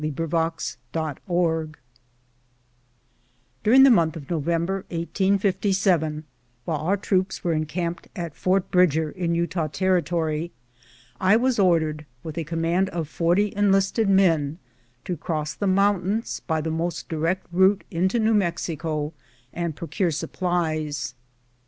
During the month of November, 1857, while our troops were encamped at Fort Bridger, in Utah Territory, I was ordered, with a command of forty enlisted men, to cross the mountains by the most direct route into New Mexico, and procure supplies.